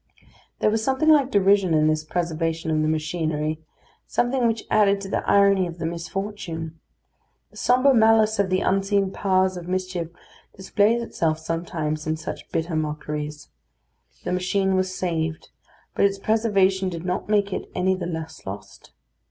There was something like derision in this preservation of the machinery; something which added to the irony of the misfortune. The sombre malice of the unseen powers of mischief displays itself sometimes in such bitter mockeries. The machinery was saved, but its preservation did not make it any the less lost.